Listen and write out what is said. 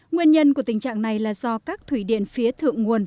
nguyên nhân của tình trạng này là do các thủy điện phía thượng nguồn